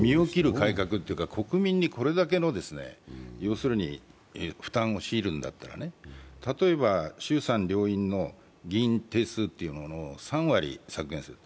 身を切る改革というか、国民にこれだけの負担を強いるんだったら、例えば衆参両院の議員定数を３割削減する。